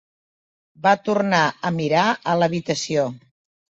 Va tornar a mirar a l'habitació.